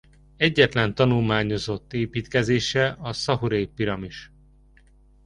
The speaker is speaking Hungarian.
Egyetlen tanulmányozott építkezése a Szahuré-piramis.